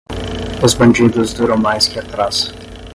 Os bandidos duram mais que a traça.